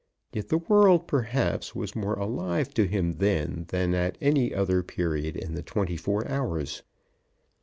Yet the world, perhaps, was more alive to him then than at any other period in the twenty four hours.